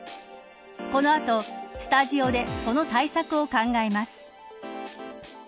この後、スタジオでその対策を考えます。